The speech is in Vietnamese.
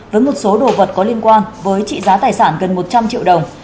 với một số đồ vật có liên quan với trị giá tài sản gần một trăm linh triệu đồng